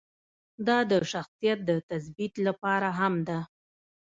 دا د شخصیت د تثبیت لپاره هم ده.